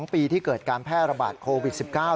๒ปีที่เกิดการแพร่ระบาดโควิด๑๙